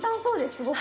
すごく。